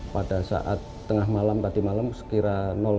pada saat tengah malam tadi malam sekira lima belas